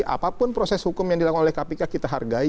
apapun proses hukum yang dilakukan oleh kpk kita hargai